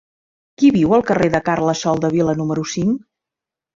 Qui viu al carrer de Carles Soldevila número cinc?